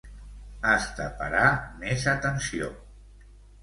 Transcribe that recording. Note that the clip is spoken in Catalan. Has de parar més atenció.